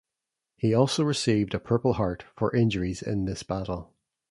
He also received a Purple Heart for injuries in this battle.